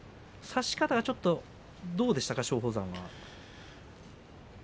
差し方がちょっとどうでしたか、松鳳山は。